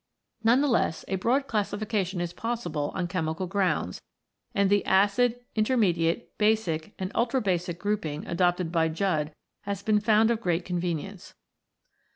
None the less, a broad classification is possible on chemical grounds, and the acid, intermediate, basic, and idtrabasic grouping adopted by Judd has been found of great convenience.